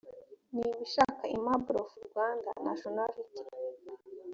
nibishaka aimable of rwandan nationality